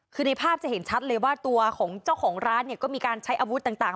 คือในภาพจะเห็นชัดเลยว่าตัวของเจ้าของร้านเนี่ยก็มีการใช้อาวุธต่าง